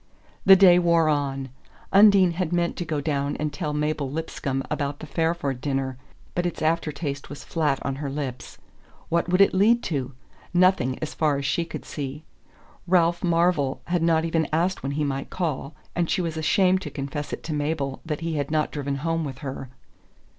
The day wore on. Undine had meant to go down and tell Mabel Lipscomb about the Fairford dinner, but its aftertaste was flat on her lips. What would it lead to? Nothing, as far as she could see. Ralph Marvell had not even asked when he might call; and she was ashamed to confess to Mabel that he had not driven home with her.